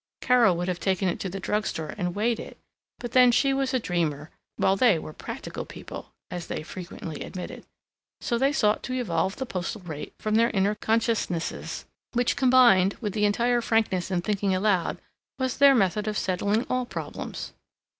Carol would have taken it to the drug store and weighed it, but then she was a dreamer, while they were practical people (as they frequently admitted). So they sought to evolve the postal rate from their inner consciousnesses, which, combined with entire frankness in thinking aloud, was their method of settling all problems.